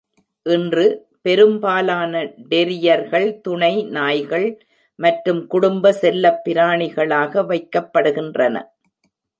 இன்று, பெரும்பாலான டெரியர்கள் துணை நாய்கள் மற்றும் குடும்ப செல்லப்பிராணிகளாக வைக்கப்படுகின்றன.